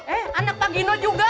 eh anak pak gino juga